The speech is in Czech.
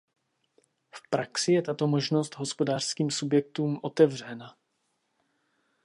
V praxi je již tato možnost hospodářským subjektům otevřena.